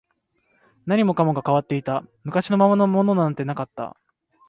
何もかもが変わっていた、昔のままのものなんてなかった